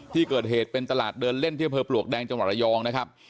ที่เกิดเหตุเป็นตลาดเดินเล่นที่อำเภอปลวกแดงจังหวัดระยองนะครับ